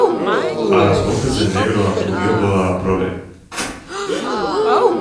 a las voces del negro acudió toda la prole .